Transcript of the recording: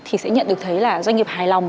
thì sẽ nhận được thấy là doanh nghiệp hài lòng